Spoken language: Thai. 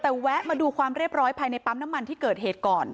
แต่แวะมาดูความเรียบร้อยภายในปั๊มน้ำมันที่เกิดเหตุก่อน